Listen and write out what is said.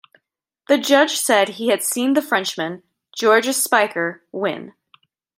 The judge said he had seen the Frenchman, Georges Speicher, win.